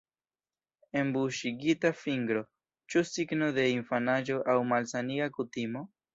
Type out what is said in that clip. Enbuŝigita fingro – ĉu signo de infanaĝo aŭ malsaniga kutimo?